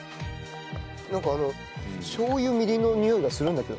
なんかしょう油みりんのにおいがするんだけど。